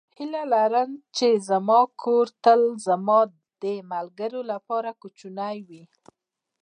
هیله لرم چې زما کور تل زما د ملګرو لپاره کوچنی وي.